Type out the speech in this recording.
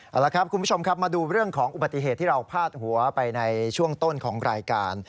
เอาละครับคุณผู้ชมครับมาดูเรื่องของอุบัติเหตุที่เราพาดหัวไปในช่วงต้นของรายการ